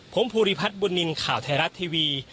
ผมภูริพัฒน์บุญนินทร์ข่าวไทยรัฐทีวี